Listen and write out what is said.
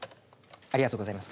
ありがとうございます。